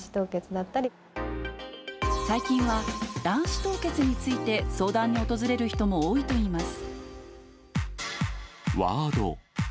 最近は、卵子凍結について相談に訪れる人も多いといいます。